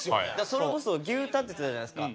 それこそ「牛タン」って言ったじゃないですか。